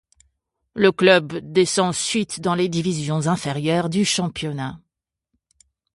Le club descend ensuite dans les divisions inférieures du championnat.